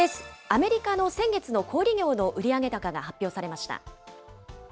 アメリカの先月の小売り業の売上高が発表されました。